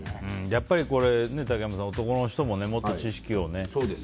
やっぱり竹山さん男の人も、もっと知識をね。